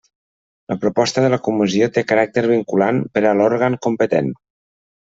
La proposta de la comissió té caràcter vinculant per a l'òrgan competent.